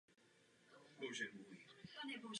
Odmítnutí však muselo být úplné.